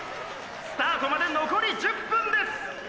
スタートまで残り１０分です！！